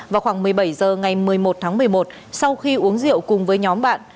vào khoảng một mươi bảy h ngày một mươi một tháng một mươi một sau khi uống rượu cùng với nhóm bạn